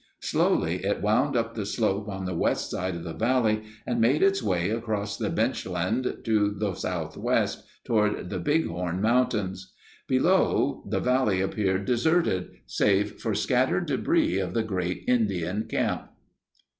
Slowly it wound up the slope on the west side of the valley and made its way across the benchland to the southwest, toward the Big Horn Mountains. Below, the valley appeared deserted save for scattered debris of the great Indian camp.